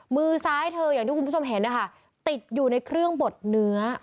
มือซ้ายเธออย่างที่คุณผู้ชมเห็นนะคะติดอยู่ในเครื่องบดเนื้อ